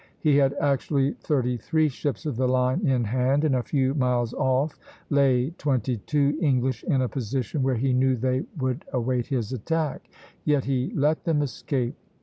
He had actually thirty three ships of the line in hand, and a few miles off lay twenty two English in a position where he knew they would await his attack; yet he let them escape.